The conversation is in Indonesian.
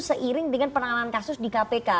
seiring dengan penanganan kasus di kpk